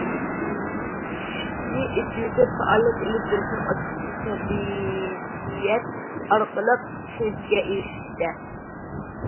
ئىشىكنى ئېچىۋېتىپ پائالىيەت ئېلىپ بېرىشنىڭ ئاچقۇچى سەمىمىيەت ئارقىلىق ئىشەنچكە ئېرىشىشتە.